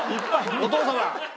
お父様！